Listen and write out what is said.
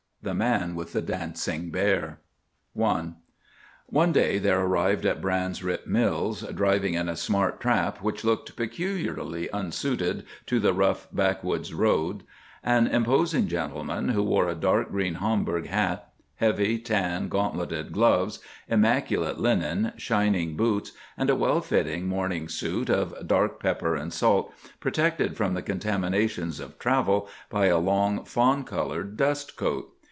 THE MAN WITH THE DANCING BEAR I One day there arrived at Brine's Rip Mills, driving in a smart trap which looked peculiarly unsuited to the rough backwoods roads, an imposing gentleman who wore a dark green Homburg hat, heavy, tan, gauntleted gloves, immaculate linen, shining boots, and a well fitting morning suit of dark pepper and salt, protected from the contaminations of travel by a long, fawn coloured dust coat.